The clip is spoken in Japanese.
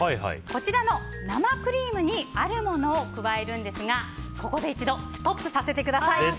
こちらの生クリームにあるものを加えるんですがここで一度ストップさせてください。